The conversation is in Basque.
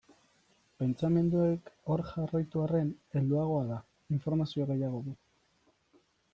Pentsamenduek hor jarraitu arren, helduagoa da, informazio gehiago du.